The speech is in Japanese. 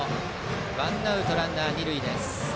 ワンアウトランナー、二塁です。